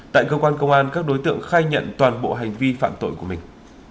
tại cơ quan công an các đối tượng khai nhận toàn bộ hành vi phạm tội của mình